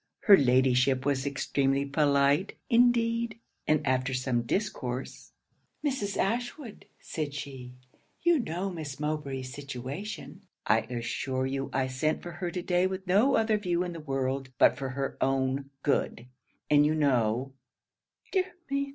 Her Ladyship was extremely polite, indeed; and after some discourse, "Mrs. Ashwood," said she, "you know Miss Mowbray's situation: I assure you I sent for her to day with no other view in the world but for her own good, and you know, [_dear me!